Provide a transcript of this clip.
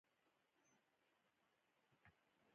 پلار یې پردۍ خرې خرڅولې، زوی یې مېلمانه له لارې را گرځوي.